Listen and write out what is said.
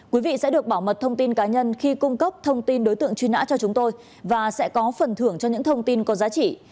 quý vị sẽ được bảo mật thông tin cá nhân khi cung cấp thông tin đối tượng truy nã cho chúng tôi và sẽ có phần thưởng cho những thông tin có giá trị